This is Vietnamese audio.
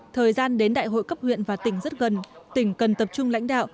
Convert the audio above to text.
thời gian đến đại hội cấp huyện và tỉnh rất gần tỉnh cần tập trung lãnh đạo